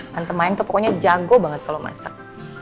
tante mayang tuh pokoknya jago banget kalau masak